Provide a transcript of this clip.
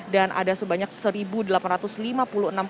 dan ada sebanyak satu delapan ratus dua belas penumpang yang datang